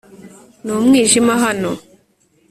Ni umwijima hano